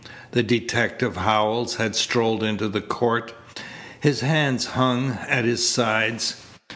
The detective, Howells, had strolled into the court. His hands hung at his sides.